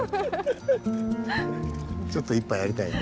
ちょっと一杯やりたいよね。